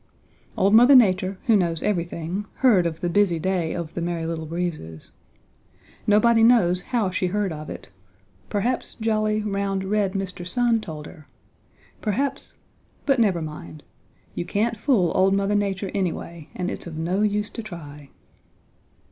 Old Mother Nature, who knows everything, heard of the busy day of the Merry Little Breezes. Nobody knows how she heard of it. Perhaps jolly, round, red Mr. Sun told her. Perhaps but never mind. You can't fool old Mother Nature anyway and it's of no use to try.